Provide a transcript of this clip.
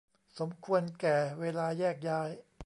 สมควรแก่เวลาแยกย้าย